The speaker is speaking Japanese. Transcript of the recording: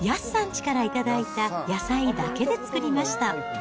ちから頂いた野菜だけで作りました。